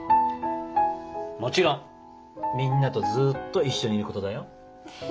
もちろんみんなとずっと一緒にいることだよ。